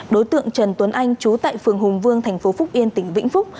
đối tượng trần tuấn anh chú tại phường hùng vương thành phố phúc yên tỉnh vĩnh phúc